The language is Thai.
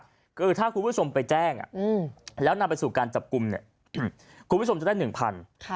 คือถ้าคุณผู้ชมไปแจ้งแล้วนำไปสู่การจับกลุ่มเนี่ยคุณผู้ชมจะได้๑๐๐บาท